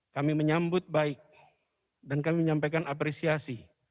kami menyambut baik dan kami menyampaikan apresiasi